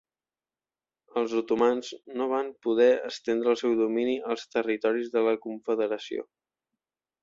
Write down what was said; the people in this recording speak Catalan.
Els otomans no van poder estendre el seu domini als territoris de la confederació.